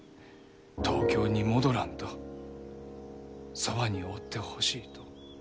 東京に戻らんとそばにおってほしいと。